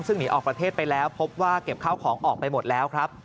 ซึ่งหนีออกประเทศไปแล้วพบว่าเก็บข้าวของออกไปหมดแล้วครับ